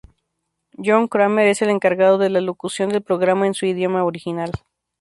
John Cramer es el encargado de la locución del programa en su idioma original.